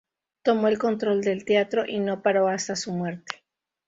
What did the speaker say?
Tomó el control del teatro y no paró hasta su muerte.